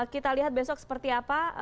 kita lihat besok seperti apa